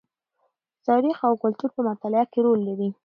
د تاریخ او کلتور په مطالعه کې رول لري.